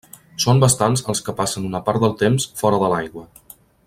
Són bastants els que passen una part del temps fora de l'aigua.